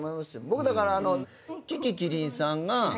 僕だから。